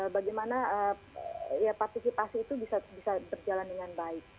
bagaimana partisipasi itu bisa berjalan dengan baik